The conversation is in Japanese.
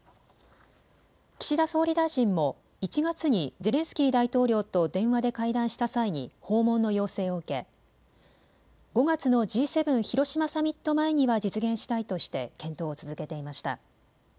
岸田総理大臣も１月にゼレンスキー大統領と電話で会談した際に訪問の要請を受け５月のＧ７広島サミット前には実現したいとして検討を続けていました。